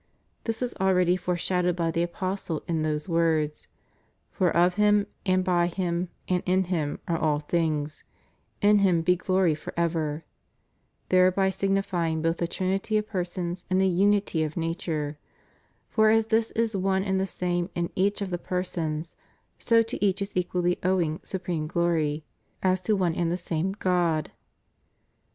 This was already foreshadowed by the Apostle in those words : For of Him, and by Him, and in Him, are all things: to Him be glory forever,'' thereby signifying both the trinity of persons and the unity of nature: for as this is one and the same in each of the per sons, so to each is equally owing supreme glory, as to one and the same God.